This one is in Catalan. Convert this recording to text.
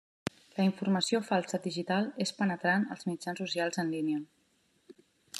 La informació falsa digital és penetrant als mitjans socials en línia.